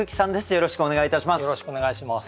よろしくお願いします。